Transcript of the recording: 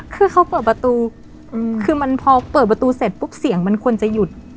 คือเขาเปิดประตูคือมันพอเปิดประตูเสร็จปุ๊บเสียงมันควรจะหยุด